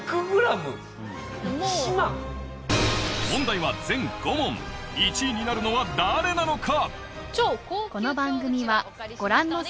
問題は全５問１位になるのは誰なのか？